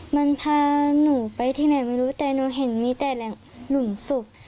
มันพาหนูไปที่ไหนไม่รู้แต่หนูเห็นมีแต่แหล่งหลุมศพ